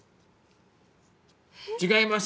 違います！